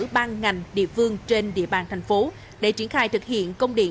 ban ngành địa phương trên địa bàn thành phố để triển khai thực hiện công điện